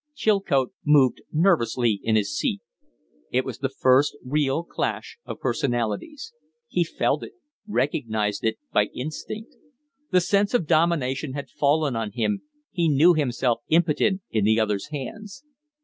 Chilcote moved nervously in his seat. It was the first real clash of personalities. He felt it recognized it by instinct. The sense of domination had fallen on him; he knew himself impotent in the other's hands.